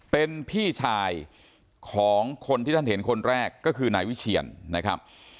เป็นพี่ชายของคนที่ท่านเห็นคนแรกก็คือนายวิเชียนนะครับ